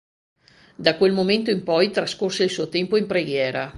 Da quel momento in poi trascorse il suo tempo in preghiera.